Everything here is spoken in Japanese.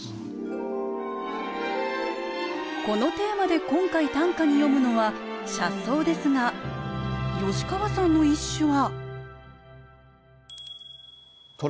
このテーマで今回短歌に詠むのは「車窓」ですが吉川さんの一首は？